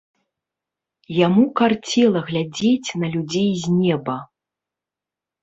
Яму карцела глядзець на людзей з неба.